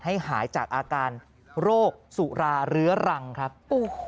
ให้หายจากอาการโรคสุราเรื้อรังครับ